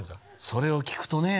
それを聞くとねぇ。